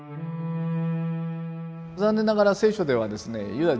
残念ながら聖書ではですねユダ